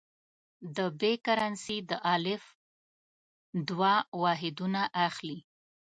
د ب کرنسي د الف دوه واحدونه اخلي.